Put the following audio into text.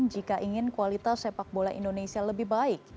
jika ingin kualitas sepak bola indonesia lebih baik